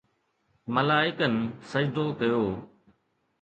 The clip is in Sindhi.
ملائڪن سجدو ڪيو